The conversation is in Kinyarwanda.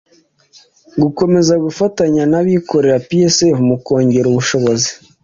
gukomeza gufatanya n abikorera psf mu kongera ubushobozi